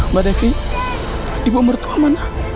mbak desi ibu mertua mana